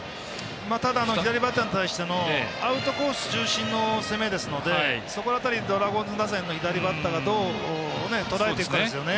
ただ、左バッターに対してアウトコース中心の攻めですのでそこら辺り、ドラゴンズ打線の左バッターがどうとらえていくかですね。